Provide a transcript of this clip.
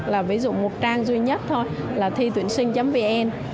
là ví dụ một trang duy nhất thôi là thi tuyển sinh vn